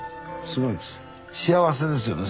すごいんです。ね！